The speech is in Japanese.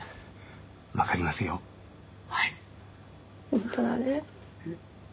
本当はね